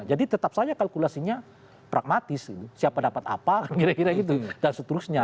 jadi tetap saja kalkulasinya pragmatis gitu siapa dapat apa kira kira gitu dan seterusnya